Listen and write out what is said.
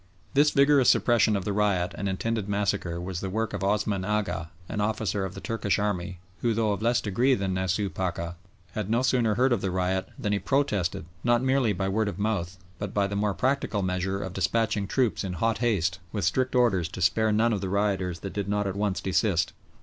This vigorous suppression of the riot and intended massacre was the work of Osman Agha, an officer of the Turkish army who, though of less degree than Nasooh Pacha, had no sooner heard of the riot than he protested not merely by word of mouth, but by the more practical measure of despatching troops in hot haste with strict orders to spare none of the rioters that did not at once desist.